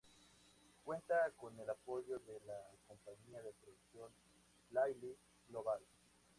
Cuenta con el apoyo de la compañía de producción "PlayList Global".